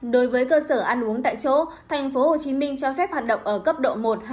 đối với cơ sở ăn uống tại chỗ tp hcm cho phép hoạt động ở cấp độ một hai